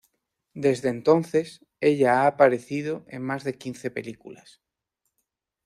Desde entonces, ella ha aparecido en más de quince películas.